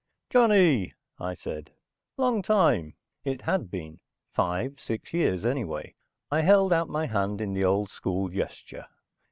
"Johnny," I said. "Long time." It had been. Five six years anyway. I held out my hand in the old school gesture.